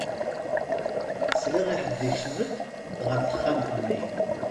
Sliɣ i ḥed ikcem-d ɣer texxamt-nni.